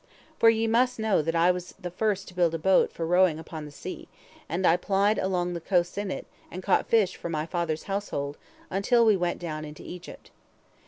For ye must know that I was the first to build a boat for rowing upon the sea, and I plied along the coasts in it, and caught fish for my father's household, until we went down into Egypt.